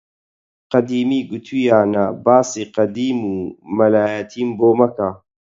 قەدیمی گوتوویانە باسی قەدیم و مەلایەتیم بۆ مەکە!